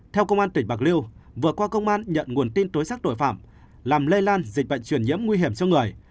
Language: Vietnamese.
theo công an tỉnh bạc liêu vừa qua công an nhận nguồn tin tối xác tội phạm làm lây lan dịch bệnh truyền nhiễm nguy hiểm cho người